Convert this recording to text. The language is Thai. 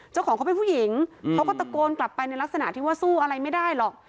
เจ้าของเขาเป็นผู้หญิงเขาก็ตะโกนกลับไปในลักษณะที่ว่าสู้อะไรไม่ได้หรอก